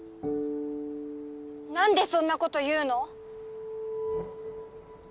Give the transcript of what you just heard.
なんでそんなこと言うの？